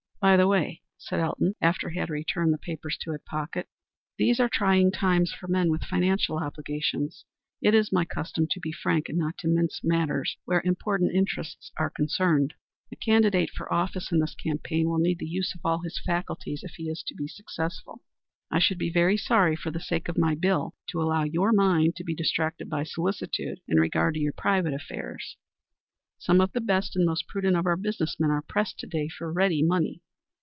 "By the way," said Elton, after he had returned the papers to his pocket, "these are trying times for men with financial obligations. It is my custom to be frank and not to mince matters where important interests are concerned. A candidate for office in this campaign will need the use of all his faculties if he is to be successful. I should be very sorry for the sake of my bill to allow your mind to be distracted by solicitude in regard to your private affairs. Some of the best and most prudent of our business men are pressed to day for ready money.